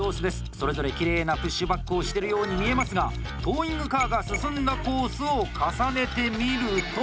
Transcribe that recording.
それぞれ、きれいなプッシュバックをしてるように見えますが、トーイングカーが進んだコースを重ねてみると。